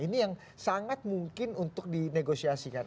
ini yang sangat mungkin untuk di negosiasikan